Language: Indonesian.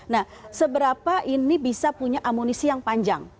nah seberapa ini bisa punya amunisi yang panjang